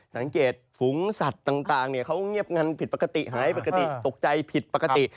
สังเกตฝูงสัตว์ต่างเขาเงียบงันผิดปกติหายปกติตกใจผิดปกติ